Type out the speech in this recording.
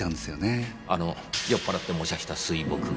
あの酔っ払って模写した水墨画。